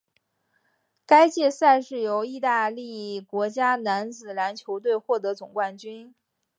该届赛事由义大利国家男子篮球队获得总冠军。